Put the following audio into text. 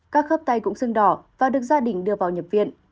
các khớp tay cũng sưng đỏ và được gia đình đưa vào nhập viện